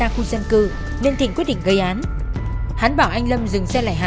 khi đi ngang qua